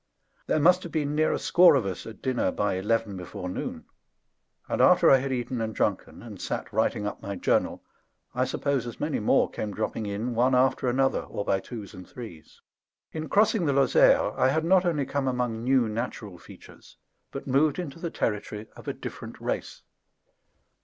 There must have been near a score of us at dinner by eleven before noon; and after I had eaten and drunken, and sat writing up my journal, I suppose as many more came dropping in one after another, or by twos and threes. In crossing the Lozère I had not only come among new natural features, but moved into the territory of a different race.